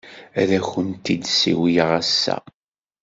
Ad akent-d-siwleɣ ass-a.